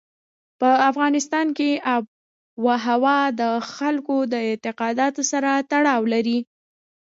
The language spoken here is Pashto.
په افغانستان کې آب وهوا د خلکو د اعتقاداتو سره تړاو لري.